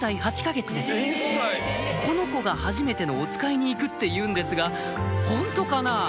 この子がはじめてのおつかいに行くっていうんですがホントかなぁ？